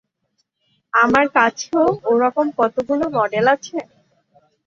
আমার কাছেও ওরকম কতকগুলো মডেল আছে!